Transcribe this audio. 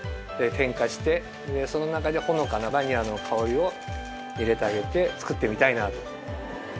その中にほのかなバニラの香りを入れてあげて作ってみたいなと。